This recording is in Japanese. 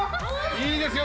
いいですよ